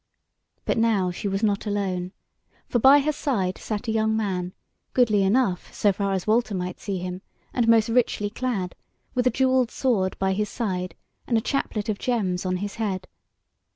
But now she was not alone; for by her side sat a young man, goodly enough, so far as Walter might see him, and most richly clad, with a jewelled sword by his side, and a chaplet of gems on his head.